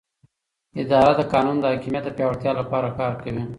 اداره د قانون د حاکمیت د پیاوړتیا لپاره کار کوي.